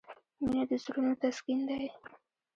• مینه د زړونو تسکین دی.